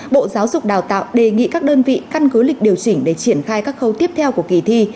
bộ giáo dục đào tạo đề nghị các đơn vị căn cứ lịch điều chỉnh để triển khai các khâu tiếp theo của kỳ thi